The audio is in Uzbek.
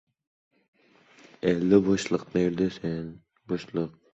Dekabrda Mirziyoyevning Janubiy Koreyaga rasmiy tashrifi rejalashtirilmoqda